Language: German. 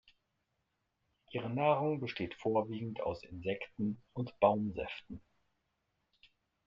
Ihre Nahrung besteht vorwiegend aus Insekten und Baumsäften.